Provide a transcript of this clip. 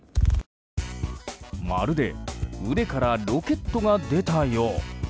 まるで腕からロケットが出たよう。